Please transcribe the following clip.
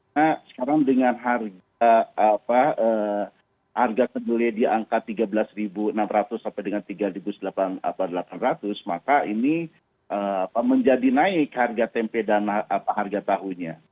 nah sekarang dengan harga kedelai di angka tiga belas enam ratus sampai dengan tiga delapan ratus maka ini menjadi naik harga tempe dan harga tahunya